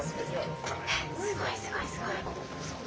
すごいすごいすごい。